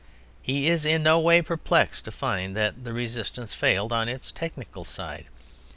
He is in no way perplexed to find that the resistance failed on its technical side.